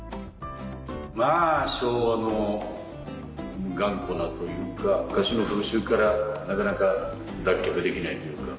まぁ昭和の頑固なというか昔の風習からなかなか脱却できないというか。